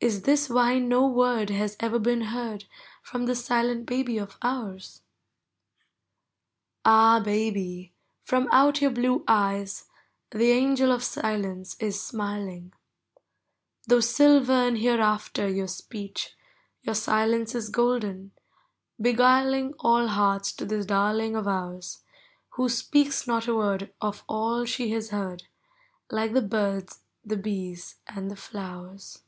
Is this whv no word Has ever been heard From this silent baby of ours? Ah, babv, from out vour blue eves The angel of silence is smiling, — Digitized by Googl? ABOUT CHILDREN. 23 Though silvern hereafter your speech. Your silence is golden, — beguiling All hearts to this darling of ours. Who Hpcaks not a word Of all she has heard, Like the birds, the bees, and the Mowers.